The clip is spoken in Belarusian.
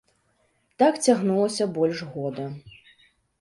Так цягнулася больш года.